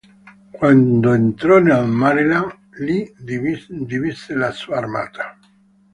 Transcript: Quando entrò nel Maryland, Lee divise la sua Armata.